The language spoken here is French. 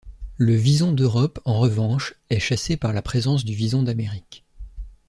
Le vison d'Europe, en revanche, est chassé par la présence du vison d'Amérique.